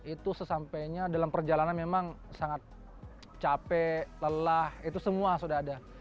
itu sesampainya dalam perjalanan memang sangat capek lelah itu semua sudah ada